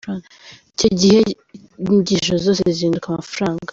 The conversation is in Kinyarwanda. Icyo gihe inyigisho zose zihinduka amafaranga.